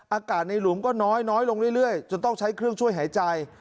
อากาศในหลุมก็น้อยลงเรื่อยจนต้องใช้เครื่องช่วยหายใจ